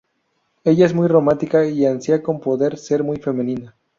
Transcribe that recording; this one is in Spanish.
Ella es muy romántica y ansía con poder ser muy femenina.